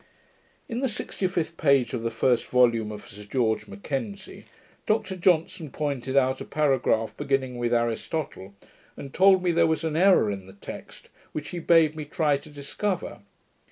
In the 65th page of the first volume of Sir George Mackenzie, Dr Johnson pointed out a paragraph beginning with 'Aristotle', and told me there was an error in the text, which he bade me try to discover.